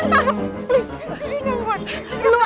tunggu ma mau mau mau